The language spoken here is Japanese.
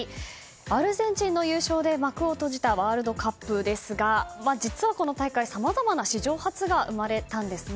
アルゼンチンの優勝で幕を閉じたワールドカップですが実は、この大会さまざまな史上初が生まれたんですね。